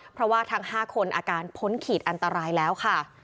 เพราะว่าทั้ง๕คนอาการพ้นขีดอันตรายแล้วค่ะ